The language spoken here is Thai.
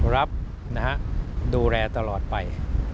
รับดูแลตลอดไป